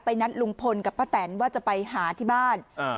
นัดลุงพลกับป้าแตนว่าจะไปหาที่บ้านอ่า